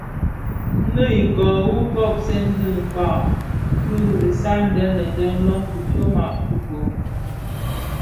Nnè ikuu nwu kopsèn dhi tsak ki isal den denden lön bi fyoma fifog.